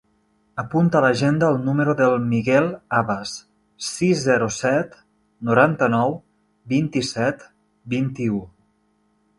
Apunta a l'agenda el número del Miguel Abbas: sis, zero, set, noranta-nou, vint-i-set, vint-i-u.